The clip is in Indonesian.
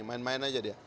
main main aja dia